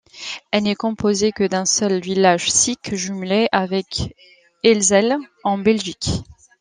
Elle n'est composée que d'un seul village, Sic, jumelé avec Ellezelles en Belgique.